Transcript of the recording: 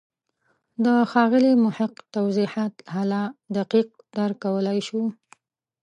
د ښاغلي محق توضیحات هله دقیق درک کولای شو.